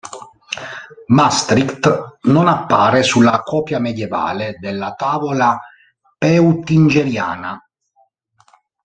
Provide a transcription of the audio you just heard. Maastricht non appare sulla copia medievale della Tavola Peutingeriana.